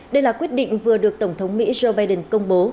đây là quyết định vừa được tổng thống mỹ joe biden công bố